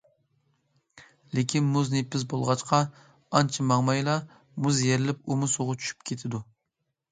لېكىن مۇز نېپىز بولغاچقا ئانچە ماڭمايلا مۇز يېرىلىپ ئۇمۇ سۇغا چۈشۈپ كېتىدۇ.